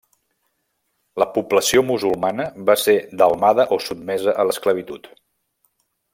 La població musulmana va ser delmada o sotmesa a l'esclavitud.